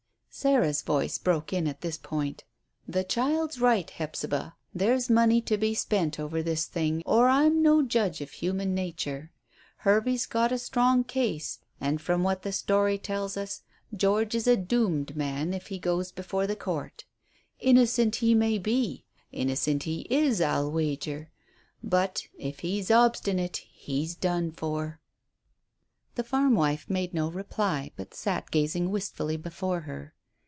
Sarah's voice broke in at this point. "The child's right, Hephzibah; there's money to be spent over this thing, or I'm no judge of human nature. Hervey's got a strong case, and, from what the story tells us, George is a doomed man if he goes before the court. Innocent he may be innocent he is, I'll wager; but if he's obstinate he's done for." The farm wife made no reply, but sat gazing wistfully before her.